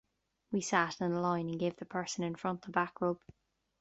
We sat in a line and gave the person in front a back rub